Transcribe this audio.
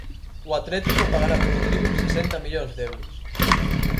O Atlético pagará por Rodrigo sesenta millóns de euros.